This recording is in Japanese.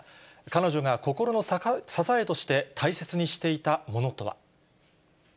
彼女が心の支えとして大切にしていたものとは。